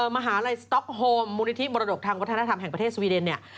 มหาลัยสต๊อกโฮมมูลนิธิมรดกทางวัฒนธรรมแห่งประเทศสวีเดนเนี่ย